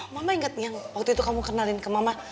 mama inget nih yang waktu itu kamu kenalin ke mama